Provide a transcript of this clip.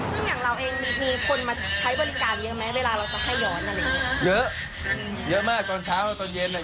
ไปนู้นมันก็ไกลมากน่ะเพราะว่าเราไปแค่ตรงนี้